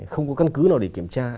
không có căn cứ nào để kiểm tra